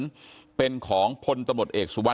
สวัสดีคุณผู้ชมครับสวัสดีคุณผู้ชมครับ